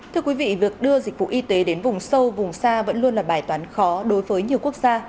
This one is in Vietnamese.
thưa quý vị việc đưa dịch vụ y tế đến vùng sâu vùng xa vẫn luôn là bài toán khó đối với nhiều quốc gia